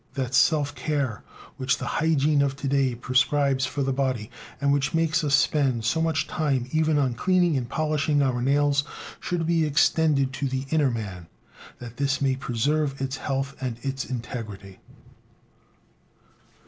That "self care" which the hygiene of to day prescribes for the body, and which makes us spend so much time even on cleaning and polishing our nails, should be extended to the inner man, that this may preserve its health and its integrity.